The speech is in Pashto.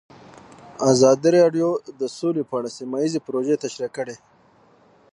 ازادي راډیو د سوله په اړه سیمه ییزې پروژې تشریح کړې.